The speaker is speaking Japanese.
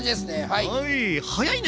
はい！